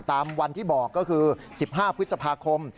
ตามวันที่บอกก็คือ๑๕พฤษภาคม